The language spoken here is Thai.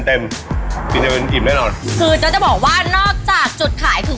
เป็นแบบอิ่มแน่นอนคือเจ้าจะบอกว่านอกจากจุดขายคือ